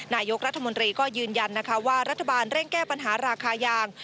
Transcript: นายกรัฐมนตรีก็ยืนยันนะคะว่ารัฐบาลเร่งแก้ปัญหาราคายาง